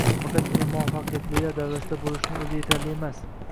Faqatgina muvaffaqiyatlilar davrasida bo’lishning o’zi yetarli emas